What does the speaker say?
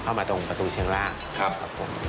เข้ามาตรงประตูเชียงล่างครับครับผม